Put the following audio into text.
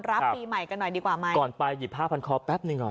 รับปีใหม่กันหน่อยดีกว่ามันส่วนตอนไปหยิบภาพทางคอแป๊บนึงหน่อย